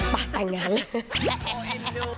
ปากแต่งงานแล้ว